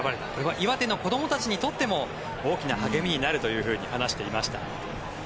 岩手の子どもたちにとっても大きな励みになるというふうに話していました。